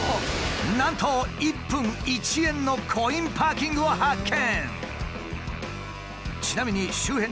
なんと１分１円のコインパーキングを発見！